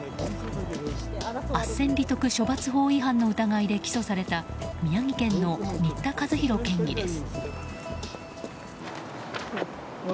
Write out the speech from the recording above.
あっせん利得処罰法違反の疑いで逮捕された宮城県の仁田和廣県議です。